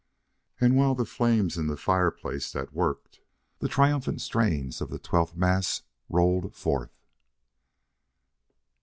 And while the flames in the fireplace that worked, the triumphant strains of the Twelfth Mass rolled forth.